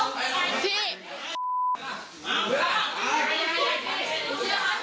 พี่สาวพี่สาว